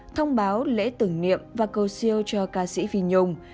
thông báo lễ tưởng niệm và câu siêu cho ca sĩ phi nhung